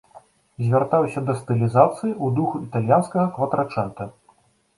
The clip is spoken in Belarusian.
Звяртаўся да стылізацыі ў духу італьянскага кватрачэнта.